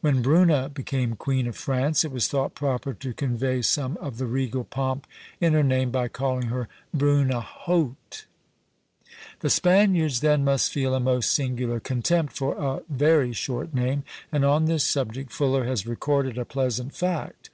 When Bruna became queen of France, it was thought proper to convey some of the regal pomp in her name by calling her Brunehault. The Spaniards then must feel a most singular contempt for a very short name, and on this subject Fuller has recorded a pleasant fact.